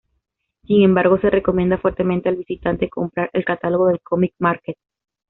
Sin embargo, se recomienda fuertemente al visitante comprar el Catálogo del Comic Market.